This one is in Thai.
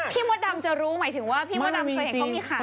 พี่มดดำจะรู้หมายถึงว่า